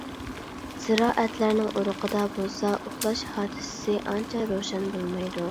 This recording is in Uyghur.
زىرائەتلەرنىڭ ئۇرۇقىدا بولسا ئۇخلاش ھادىسىسى ئانچە روشەن بولمايدۇ.